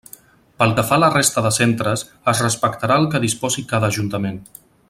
Pel que fa a la resta de centres es respectarà el que disposi cada Ajuntament.